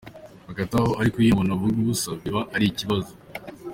Hagati aho ariko iyo umuntu avuga ubusa biba ari ikibazo.